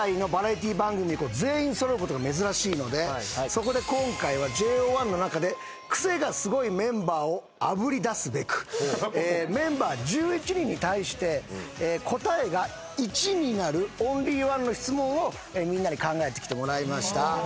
そこで今回はＪＯ１の中でクセがスゴいメンバーをあぶり出すべくメンバー１１人に対して答えが１になるオンリーワンの質問をみんなに考えてきてもらいました。